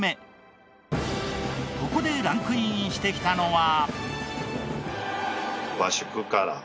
ここでランクインしてきたのは。